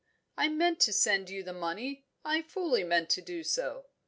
I meant to send you the money; I fully meant to do so.